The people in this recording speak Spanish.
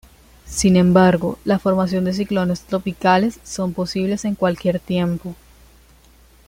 Sin embargo, la formación de ciclones tropicales son posibles en cualquier tiempo.